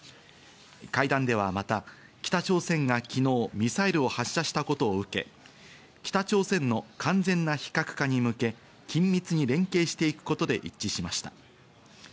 会談ではまた、北朝鮮が昨日、ミサイルを発射したことを受け、北朝鮮の完全な非核化に向け緊密に連携していくことで一致しました。